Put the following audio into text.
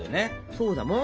そうだもん！